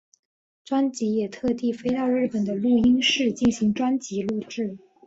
专辑也特地飞到日本的录音室进行专辑录制。